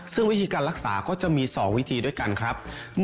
ซึ่งวิธีการรักษาก็จะมี๒วิธีด้วยกันครับ